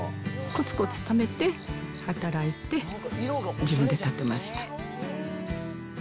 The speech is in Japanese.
こつこつためて、働いて、自分で建てました。